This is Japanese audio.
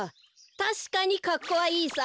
たしかにかっこはいいさ。